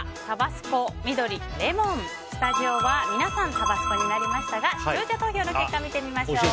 スタジオは皆さんタバスコになりましたが視聴者投票の結果を見てみましょう。